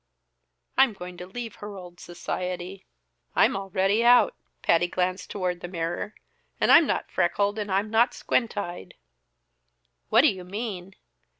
"I'm going to leave her old society." "I'm already out." Patty glanced toward the mirror. "And I'm not freckled and I'm not squint eyed." "What do you mean?"